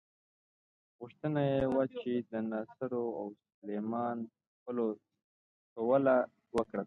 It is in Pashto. غوښتنه یې وه چې د ناصرو او سلیمان خېلو سوله وکړي.